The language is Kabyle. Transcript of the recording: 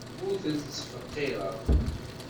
Ur ten-ttfeqqireɣ.